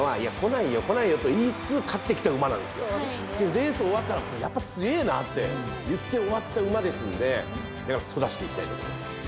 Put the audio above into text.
レース終わったらやっぱ強えなって言って終わった馬ですんでソダシでいきたいと思います。